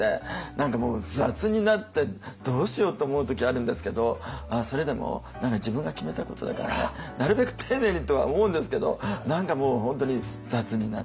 何かもう雑になってどうしようって思う時あるんですけどそれでも何か自分が決めたことだからねなるべく丁寧にとは思うんですけど何かもう本当に雑になっちゃう。